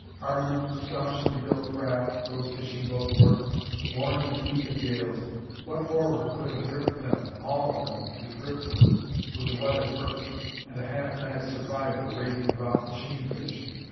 Hardy, staunchly built craft, those fishing boats were; born in the teeth of gales. What horror could have ripped them all of them to driftwood, with the weather perfect? And a half mad survivor, raving about "machine fish"!